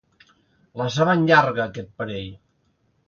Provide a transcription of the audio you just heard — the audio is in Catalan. La saben llarga, aquest parell.